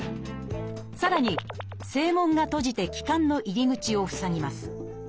さらに声門が閉じて気管の入り口を塞ぎます。